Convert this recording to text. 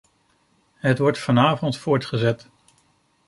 Het wordt vanavond voortgezet.